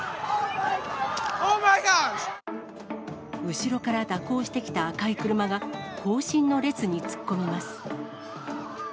後ろから蛇行してきた赤い車が、行進の列に突っ込みます。